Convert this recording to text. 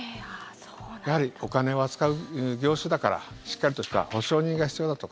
やはり、お金を扱う業種だからしっかりとした保証人が必要だとか。